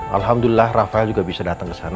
alhamdulillah rafael juga bisa datang ke sana